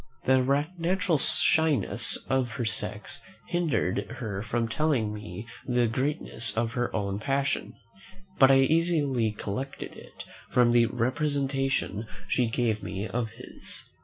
The natural shyness of her sex hindered her from telling me the greatness of her own passion; but I easily collected it from the representation she gave me of his.